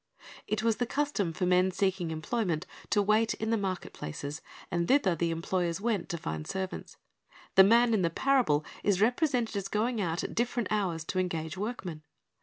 It was the custom for men seeking employment to wait in the market places, and thither the employers went to find servants. The man in the parable is represented as going out at different hours to engage workmen.